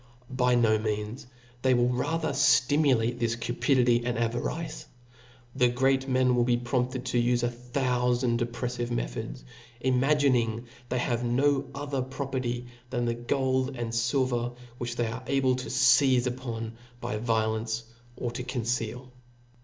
By no means. They will rather ftimu late this cupidity and avarice. The great men Will be prompted to ufe a thoufand oppreffive me* chodi^i imagining they have no other property than the gold and filver which they are able ta feize upon by violence, or to conceal.